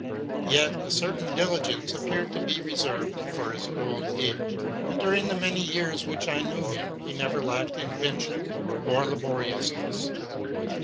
Yet a certain diligence appeared to be reserved for his old age ; and, during the many years which I knew him, he never lacked invention or laboriousness.